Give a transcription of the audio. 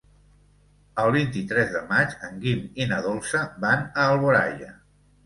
El vint-i-tres de maig en Guim i na Dolça van a Alboraia.